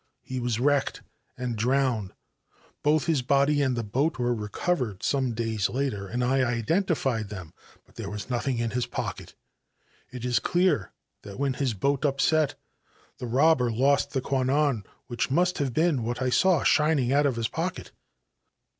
He was wrecked and Irowned. Both his body and the boat were recovered »ome days later, and I identified them ; but there was lothing in his pocket. It is clear that when his boat apset the robber lost the Kwannon, which must have :>een what I saw shining out of his pocket.'